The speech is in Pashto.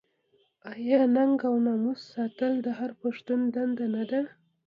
آیا ننګ او ناموس ساتل د هر پښتون دنده نه ده؟